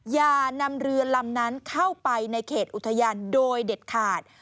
อย่านำเรือลำนั้นเข้าไปในเขตอุทยานโดยเด็ดขาด